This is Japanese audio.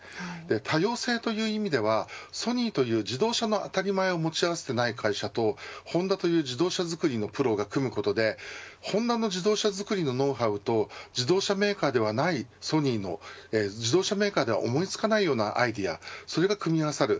多様性という意味ではソニーという自動車の当たり前を持ち合わせていない会社とホンダという自動車作りのプロが組むことでホンダの自動車作りのノウハウと自動車メーカーではないソニーの、自動車メーカーでは思いつかないようなアイデアが組み合わさる。